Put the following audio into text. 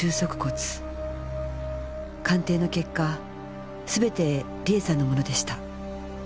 鑑定の結果全て理恵さんのものでした。